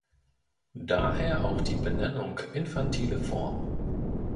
Daher auch die Benennung „infantile Form“.